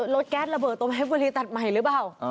แก๊สระเบิดตรงเพชรบุรีตัดใหม่หรือเปล่า